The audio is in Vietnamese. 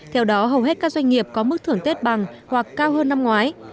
theo đó hầu hết các doanh nghiệp có mức thưởng tết bằng hoặc cao hơn năm ngoái